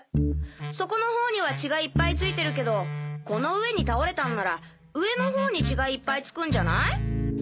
底の方には血がいっぱいついてるけどこの上に倒れたんなら上の方に血がいっぱいつくんじゃない？